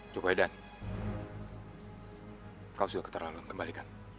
jogohedan kau sudah keterlaluan kembalikan